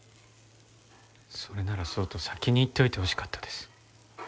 それならそうと先に言っておいてほしかったです。